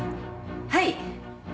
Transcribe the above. はい。